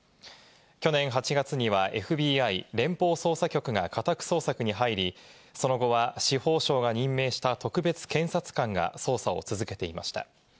去年８月にはＦＢＩ＝連邦捜査局が家宅捜索に入り、その後は司法省が任命した特別検察官が捜査を続けていました。